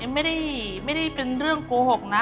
ไม่ได้เป็นเรื่องโกหกนะ